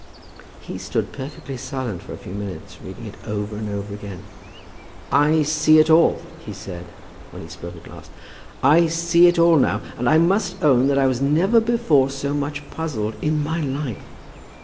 He stood perfectly silent for a few minutes, reading it over and over again. "I see it all," he said, when he spoke at last. "I see it all now; and I must own I was never before so much puzzled in my life."